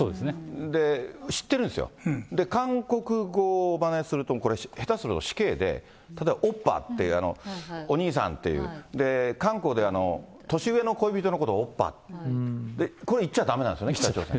で、知ってるんですよ、韓国語をまねすると、下手すると死刑で、例えばオッパっていう、お兄さんっていう、韓国では年上の恋人のことをオッパ、これ、言っちゃだめなんですよね、北朝鮮。